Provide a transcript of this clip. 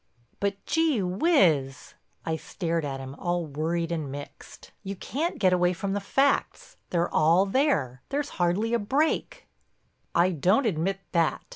"But, gee whizz!" I stared at him, all worried and mixed. "You can't get away from the facts. They're all there—there's hardly a break." "I don't admit that.